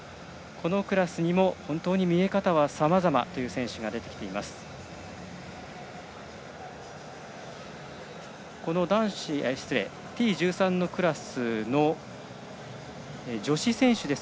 このクラスにも本当に見え方はさまざまという選手が出てきています。